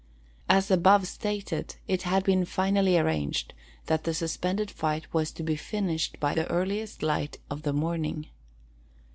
As above stated, it had been finally arranged that the suspended fight was to be finished by the earliest light of the morning.